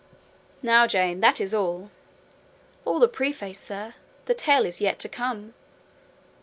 "Now, Jane, that is all." "All the preface, sir; the tale is yet to come.